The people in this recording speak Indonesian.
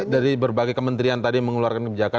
dari berbagai kementerian tadi mengeluarkan kebijakan